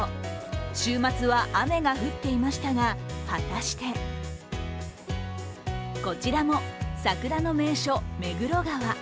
週末は雨が降っていましたが果たしてこちらも桜の名所・目黒川。